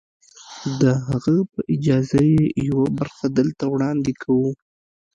د هغه په اجازه يې يوه برخه دلته وړاندې کوو.